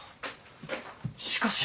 しかし。